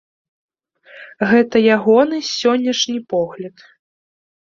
Гэта ягоны сённяшні погляд!